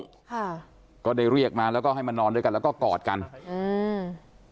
ค่ะก็ได้เรียกมาแล้วก็ให้มานอนด้วยกันแล้วก็กอดกันอืม